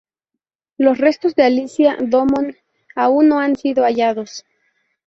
Los restos de Alicia Domon aún no han sido hallados.